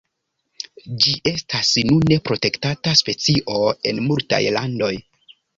Ĝi estas nune protektata specio en multaj landoj.